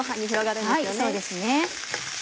そうですね。